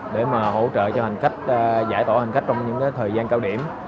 để mà hỗ trợ cho hành khách giải tỏa hành khách trong những thời gian cao điểm